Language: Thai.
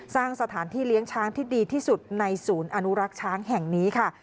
สร้างสถานที่เลี้ยงช้างที่ดีที่สุดในศูนย์อนุรักษ์ช้างแห่งนี้ค่ะ